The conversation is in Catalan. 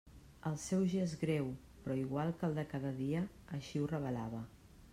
El seu gest greu, però igual que el de cada dia, així ho revelava.